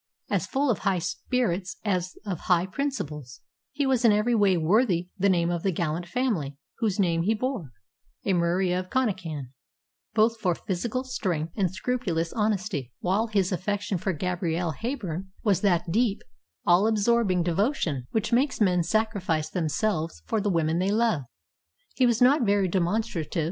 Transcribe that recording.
As full of high spirits as of high principles, he was in every way worthy the name of the gallant family whose name he bore, a Murie of Connachan, both for physical strength and scrupulous honesty; while his affection for Gabrielle Heyburn was that deep, all absorbing devotion which makes men sacrifice themselves for the women they love. He was not very demonstrative.